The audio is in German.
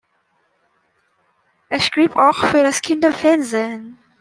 Er schrieb auch für das Kinderfernsehen.